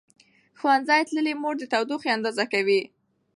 ښوونځې تللې مور د تودوخې اندازه کوي.